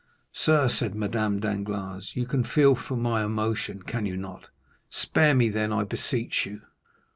"Sir," said Madame Danglars, "you can feel for my emotion, can you not? Spare me, then, I beseech you.